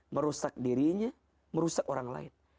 merusak dirinya merusak orang lain